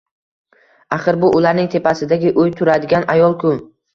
Axir, bu ularning tepasidagi uyda turadigan ayol-ku